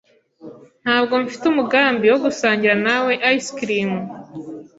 Ntabwo mfite umugambi wo gusangira nawe ice cream.